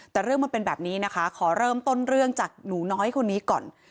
แต่เรื่องมันเป็นแบบนี้นะคะขอเริ่มต้นเรื่องจากหนูน้อยคนนี้ก่อน